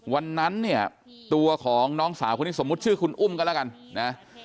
วันนั้นเนี่ยตัวของน้องสาวคนนี้สมมุติชื่อคุณอุ้มก็แล้วกันนะ